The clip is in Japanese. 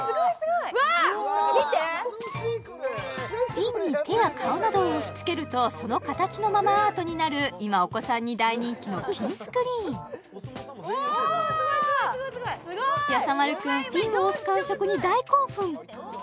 ピンに手や顔などを押し付けるとその形のままアートになる今お子さんに大人気のピンスクリーンおすごいすごいすごいすごいやさ丸くんピンを押す感触に大興奮！